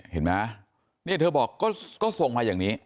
เห็นไหมเนี่ยเธอบอกก็ส่งมาอย่างนี้